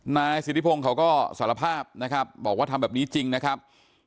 นายสิทธิพงศ์เขาก็สารภาพนะครับบอกว่าทำแบบนี้จริงนะครับ